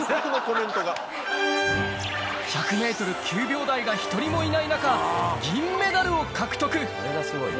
１００ｍ９秒台が１人もいない中銀メダルを獲得